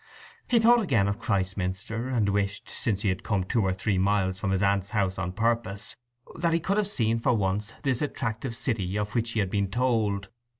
He thought again of Christminster, and wished, since he had come two or three miles from his aunt's house on purpose, that he could have seen for once this attractive city of which he had been told.